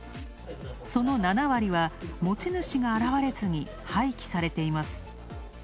その７割は、持ち主が現れずに廃棄されています。